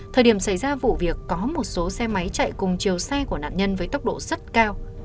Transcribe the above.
thời điểm xảy ra vụ việc có một số xe máy chạy cùng chiều xe của nạn nhân với tốc độ rất cao